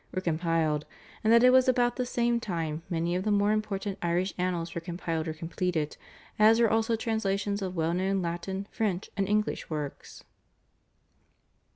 were compiled, and that it was about the same time many of the more important Irish Annals were compiled or completed, as were also translations of well known Latin, French, and English works.